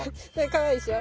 かわいいでしょ。